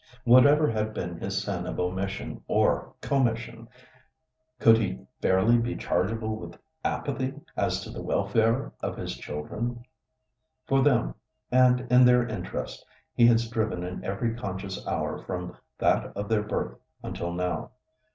Whatever had been his sin of omission or commission, could he fairly be chargeable with apathy as to the welfare of his children? For them, and in their interest, he had striven in every conscious hour from that of their birth until now.